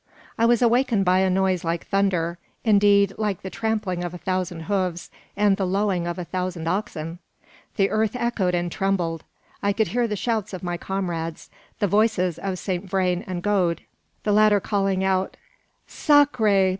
I was awakened by a noise like thunder indeed, like the trampling of a thousand hoofs, and the lowing of a thousand oxen! The earth echoed and trembled. I could hear the shouts of my comrades; the voices of Saint Vrain and Gode, the latter calling out "Sacr r re!